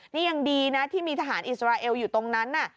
นี่ยังดีนะที่มีทหารอิสราเอลอยู่ตรงนั้น